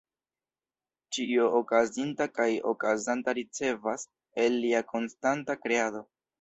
Ĉio okazinta kaj okazanta ricevas el lia konstanta kreado.